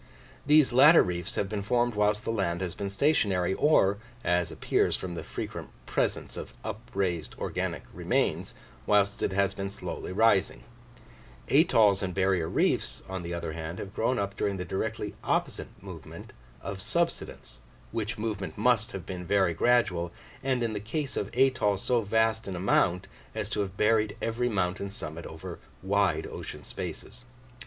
These latter reefs have been formed whilst the land has been stationary, or, as appears from the frequent presence of upraised organic remains, whilst it has been slowly rising: atolls and barrier reefs, on the other hand, have grown up during the directly opposite movement of subsidence, which movement must have been very gradual, and in the case of atolls so vast in amount as to have buried every mountain summit over wide ocean spaces.